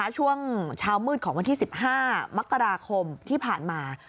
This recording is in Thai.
ช่วงเช้ามืดของวันที่๑๕มกราคมที่ผ่านมา